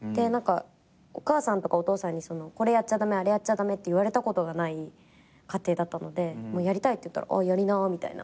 お母さんとかお父さんにこれやっちゃ駄目あれやっちゃ駄目って言われたことがない家庭だったのでやりたいって言ったら「ああやりな」みたいな。